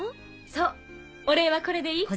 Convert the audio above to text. そうお礼はこれでいい？